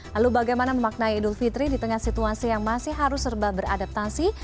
lalu bagaimana memaknai idul fitri di tengah situasi yang masih harus serba beradaptasi